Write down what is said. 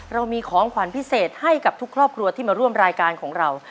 เรามีของขวัญพิเศษให้กับทุกครอบครัวที่มาร่วมรายการของเรา